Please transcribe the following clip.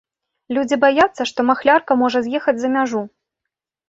Людзі баяцца, што махлярка можа з'ехаць за мяжу.